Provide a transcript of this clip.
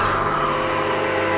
tuh kita ke kantin dulu gi